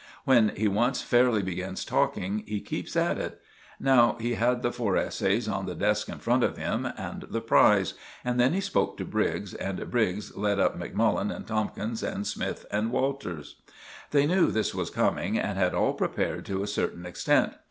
When he once fairly begins talking, he keeps at it. Now he had the four essays on the desk in front of him, and the prize; and then he spoke to Briggs, and Briggs led up Macmullen and Tomkins and Smythe and Walters. They knew this was coming, and had all prepared to a certain extent.